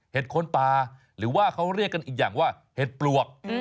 คนป่าหรือว่าเขาเรียกกันอีกอย่างว่าเห็ดปลวก